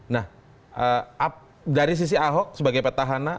nah dari sisi ahok sebagai petahana